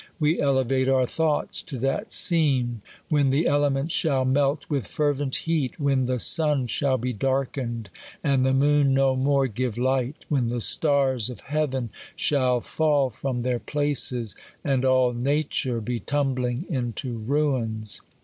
We elevate eur thoughts to that scene, when the elements shall melt with fervent heat ; when the sun shall be darkened, and the moon no more give light : when the stars of heaven shall fall from their places, and all nature be tumbling into iiiins.